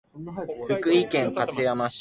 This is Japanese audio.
福井県勝山市